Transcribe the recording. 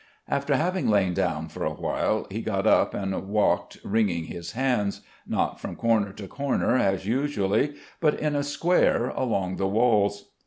After having lain down for a while he got up and walked wringing his hands, not from corner to corner as usually, but in a square along the walls.